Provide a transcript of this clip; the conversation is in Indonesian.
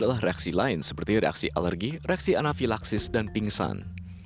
dan reaksi lain seperti reaksi alergi reaksi anafilaksis dan pingsan